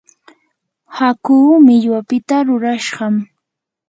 hakuu millwapita rurashqam.